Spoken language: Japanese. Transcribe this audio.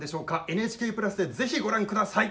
ＮＨＫプラスでぜひご覧ください。